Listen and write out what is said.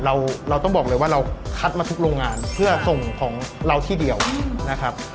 เราเราต้องบอกเลยว่าเราคัดมาทุกโรงงานเพื่อส่งของเราที่เดียวนะครับ